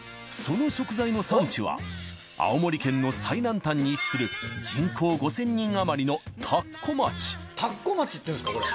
その食材の産地は青森県の最南端に位置する人口５，０００人あまりの田子町「たっこ町」っていうんですか？